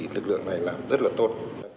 tưởng này là rất là tốt